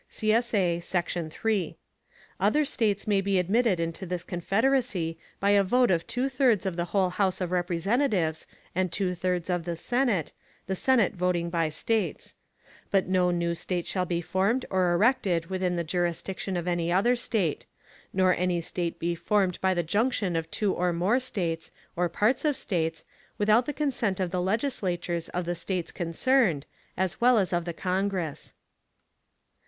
[CSA] Section 3. _Other States may be admitted into this Confederacy by a vote of two thirds of the whole House of Representatives and two thirds of the Senate, the Senate voting by States_; but no new State shall be formed or erected within the jurisdiction of any other State; nor any State be formed by the junction of two or more States, or parts of States, without the consent of the Legislatures of the States concerned, as well as of the Congress.